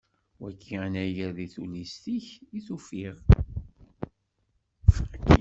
Wagi anagar deg Tullist-ik i t-ufiɣ.